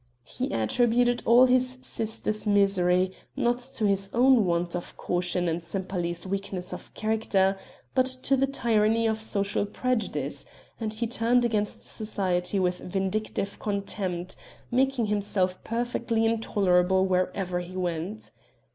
He attributed all his sister's misery, not to his own want of caution and Sempaly's weakness of character, but to the tyranny of social prejudice; and he turned against society with vindictive contempt, making himself perfectly intolerable wherever he went.